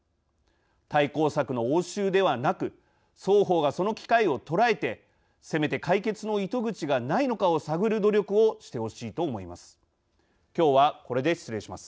対抗策の応酬ではなく双方がその機会を捉えてせめて解決の糸口がないのかを探る努力をしてほしいと思います。